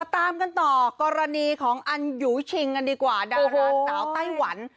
ตามกันต่อกรณีของอันยูชิงกันดีกว่าดาราสาวไต้หวัน